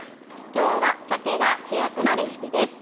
今日はさけが主役のレシピです。